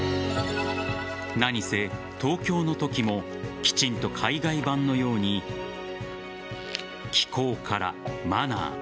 何せ「東京」のときもきちんと海外版のように気候からマナー